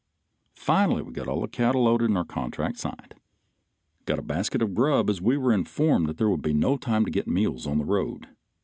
Finally we got the cattle loaded and our contract signed. Got a basket of grub, as we were informed there would be no time to get meals on the road.